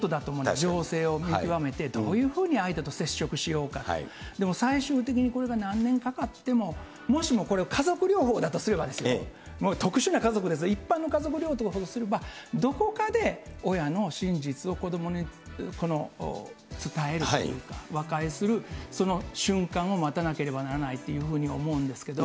情勢を見極めてどういうふうに相手と接触しようか、でも、最終的にこれが何年かかっても、もしもこれ、家族療法だとすればもう特殊な家族ですよ、一般の家族療法とすれば、どこかで親の真実を子どもに伝えるというか、和解する、その瞬間を待たなければならないというふうに思うんですけれども。